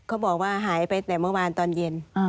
เขาบอกว่าหายไปแต่เมื่อวานตอนเย็น